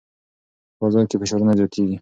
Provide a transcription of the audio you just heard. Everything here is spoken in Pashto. په بازار کې فشارونه زیاتېږي.